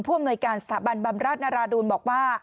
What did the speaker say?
อำนวยการสถาบันบำราชนราดูลบอกว่า